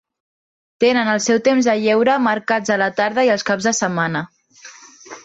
Tenen el seu temps de lleure marcats a la tarda i als caps de setmana.